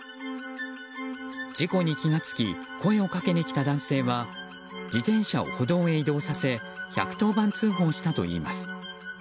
事故に気が付き声をかけに来た男性は自転車を歩道へ移動させ１１０番通報したといいます。